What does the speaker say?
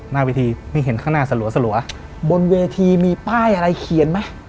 หน้าเวทีไม่เห็นข้างหน้าสลัวบนเวทีมีป้ายอะไรเขียนไหม